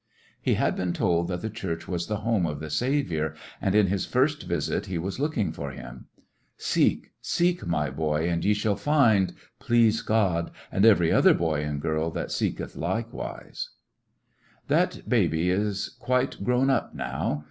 He had been told that the Church was the home of the Saviour, and in this his first visit he was looking for him. Seek, seek, my boy, and ye shall find, please God, and every other boy and girl that seeketh likewise. U l^issionarY in t^e Great West That baby is quite grown up now.